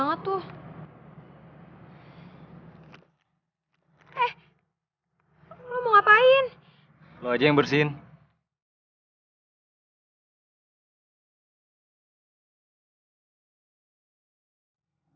aman pikir babi gak mungkin hidup che tekke itu yah